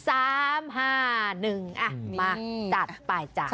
๓๕๑อะมาจัดไปจ้ะ